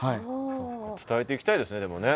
伝えていきたいですよねでもね。